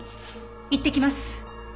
行ってきます。